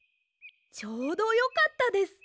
ちょうどよかったです。